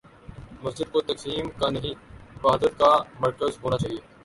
مسجد کو تقسیم کا نہیں، وحدت کا مرکز ہو نا چاہیے۔